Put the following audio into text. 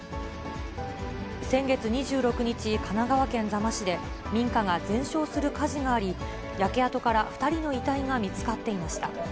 先月２６日、神奈川県座間市で、民家が全焼する火事があり、焼け跡から２人の遺体が見つかっていました。